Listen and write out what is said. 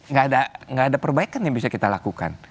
nggak ada perbaikan yang bisa kita lakukan